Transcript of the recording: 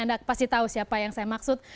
anda pasti tahu siapa yang saya maksud